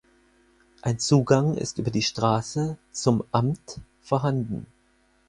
Ein Zugang ist über die Straße „Zum Amt“ vorhanden.